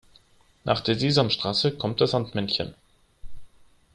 Nach der Sesamstraße kommt das Sandmännchen.